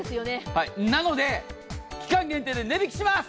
なので期間限定で値引きします。